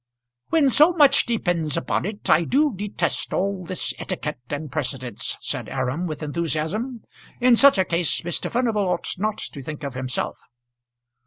"When so much depends upon it, I do detest all this etiquette and precedence," said Aram with enthusiasm. "In such a case Mr. Furnival ought not to think of himself."